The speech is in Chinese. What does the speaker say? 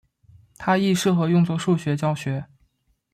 它亦适合用作数学教学。